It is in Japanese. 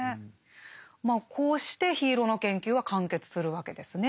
まあこうして「緋色の研究」は完結するわけですね。